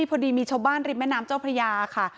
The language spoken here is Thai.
พอดีมีชาวบ้านริมแม่น้ำเจ้าพระยาค่ะ